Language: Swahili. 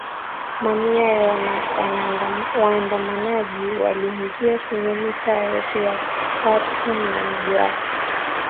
Mamia ya waandamanaji waliingia kwenye mitaa yote ya Khartoum na mji wake